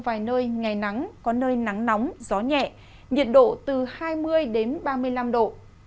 có vài nơi ngày nắng có nơi nắng nóng gió nhẹ nhiệt độ từ hai mươi đến ba mươi năm độ